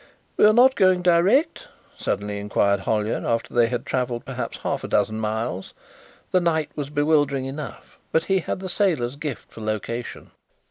"We are not going direct?" suddenly inquired Hollyer, after they had travelled perhaps half a dozen miles. The night was bewildering enough but he had the sailor's gift for location.